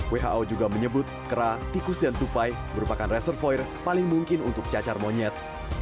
who juga menyebut kera tikus dan tupai merupakan reservoir paling mungkin untuk cacar monyet